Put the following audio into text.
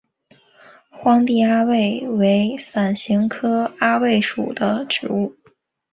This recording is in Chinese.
荒地阿魏为伞形科阿魏属的植物。